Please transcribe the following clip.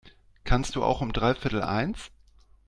Kannst du auch um dreiviertel eins?